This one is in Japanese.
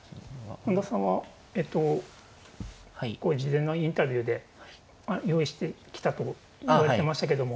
本田さんはえと事前のインタビューで用意してきたと言われてましたけども。